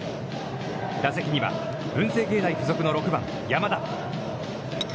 打席には文星芸術大学付属の６番、山田。